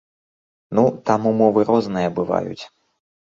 Ну, там умовы розныя бываюць.